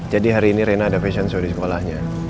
jadi hari ini rina ada fashion show di sekolahnya